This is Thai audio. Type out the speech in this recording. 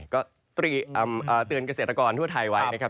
ก็เตือนเกษตรกรทั่วไทยไว้นะครับ